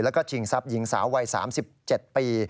แล้วก็ชิงทรัพย์หญิงสาววัย๓๗ปี